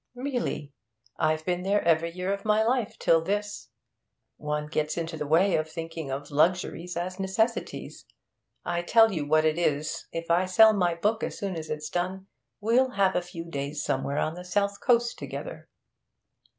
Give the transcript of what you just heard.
'Really? I've been there every year of my life till this. One gets into the way of thinking of luxuries as necessities. I tell you what it is. If I sell my book as soon as it's done, we'll have a few days somewhere on the south coast together.'